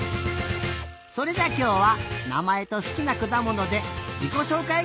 それじゃきょうはなまえとすきなくだものでじこしょうかい